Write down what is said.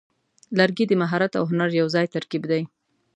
لرګی د مهارت او هنر یوځای ترکیب دی.